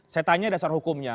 saya tanya dasar hukumnya